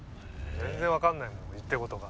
全然わかんないもん言ってることが。